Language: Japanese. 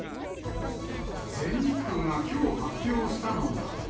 全日空がきょう発表したのが。